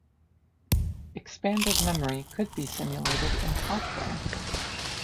Expanded memory could be simulated in software.